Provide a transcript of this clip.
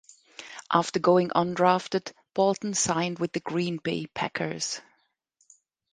After going undrafted Bolton signed with the Green Bay Packers.